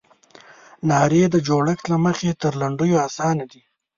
نارې د جوړښت له مخې تر لنډیو اسانه دي.